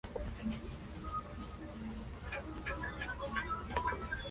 El Gran Duque y su esposa eran primos hermanos.